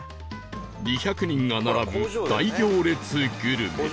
２００人が並ぶ大行列グルメ